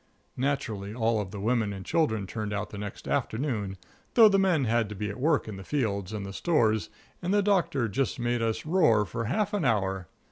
Naturally, all the women and children turned out the next afternoon, though the men had to be at work in the fields and the stores, and the Doctor just made us roar for half an hour.